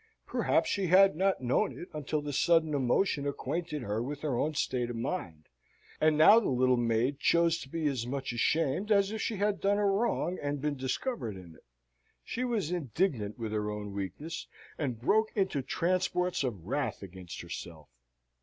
Perhaps she had not known it until the sudden emotion acquainted her with her own state of mind; and now the little maid chose to be as much ashamed as if she had done a wrong, and been discovered in it. She was indignant with her own weakness, and broke into transports of wrath against herself.